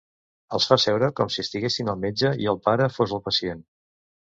Els fa seure com si estiguessin al metge i el pare fos el pacient.